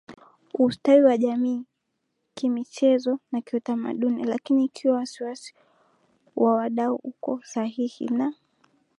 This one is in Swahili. ustawi wa jamii kimichezo na kiutamaduni Lakini ikiwa wasiwasi wa wadau uko sahihi na